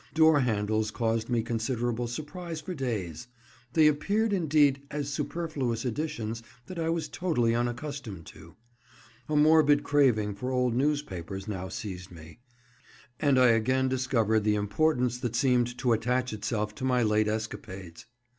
Door handles caused me considerable surprise for days: they appeared, indeed, as superfluous additions that I was totally unaccustomed to. A morbid craving for old newspapers now seized me, and I again discovered the importance that seemed to attach itself to my late escapades.